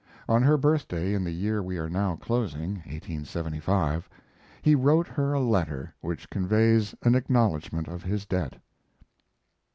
On her birthday in the year we are now closing (1875) he wrote her a letter which conveys an acknowledgment of his debt.